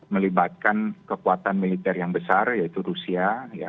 melibatkan kekuatan militer yang besar yaitu rusia